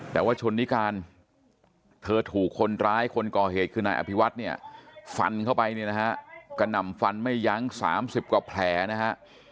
แต่ว่าชนนิการเธอถูกคนร้ายคนก่อเหตุคือนายอภิวัฒน์เนี่ยฟันเข้าไปเนี่ยนะฮะกระหน่ำฟันไม่ยั้ง๓๐กว่าแผลนะฮะ